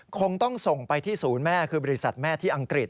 คงต้องส่งไปที่ศูนย์แม่คือบริษัทแม่ที่อังกฤษ